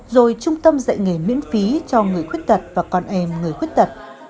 rồi trung tâm dạy nghề miễn phí cho người khuyết tật và con em người khuyết tật